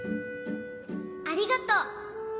ありがとう。